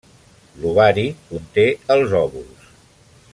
L'ovari conté els òvuls.